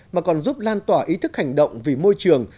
mà còn giúp lan tỏa ý thức hành động vì môi trường